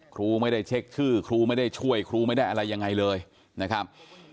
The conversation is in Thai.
ครูไม่ได้เช็คชื่อครูไม่ได้ช่วยครูไม่ได้อะไรยังไงเลยนะครับ